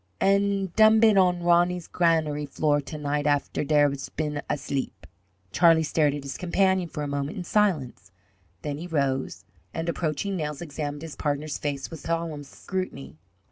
"And dumb it on Roney's granary floor to night after dere been asleeb." Charlie stared at his companion for a moment in silence. Then he rose, and, approaching Nels, examined his partner's face with solemn scrutiny.